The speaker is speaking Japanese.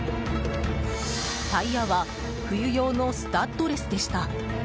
タイヤは冬用のスタッドレスでした。